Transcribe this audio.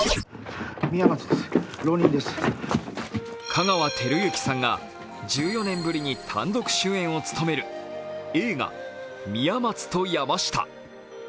香川照之さんが１４年ぶりに単独主演を務める映画「宮松と山下」。